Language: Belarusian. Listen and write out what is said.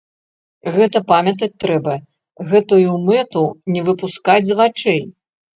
Гэта памятаць трэба, гэтую мэту не выпускаць з вачэй.